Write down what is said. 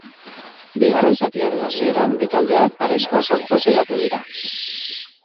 Bigarren zatiaren hasieran bi taldeak arriskua sortzen saiatu dira.